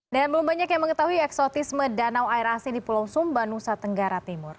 dan belum banyak yang mengetahui eksotisme danau air asin di pulau sumba nusa tenggara timur